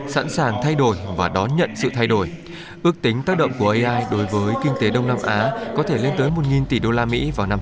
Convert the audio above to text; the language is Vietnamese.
sẵn sàng thay đổi và đón nhận sự thay đổi ước tính tác động của ai đối với kinh tế đông nam á có thể lên tới một tỷ usd vào năm hai nghìn ba mươi